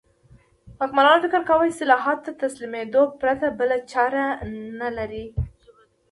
واکمنانو فکر کاوه اصلاحاتو ته تسلیمېدو پرته بله چاره نه لري.